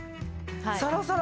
サラサラ。